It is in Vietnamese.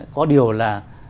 có điều là